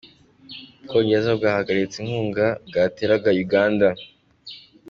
U Bwongereza bwahagaritse inkunga bwateraga Uganda